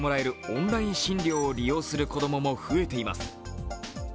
オンライン診療を利用する子供も増えています。